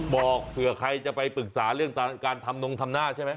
เผื่อใครจะไปปรึกษาเรื่องการทำนงทำหน้าใช่ไหม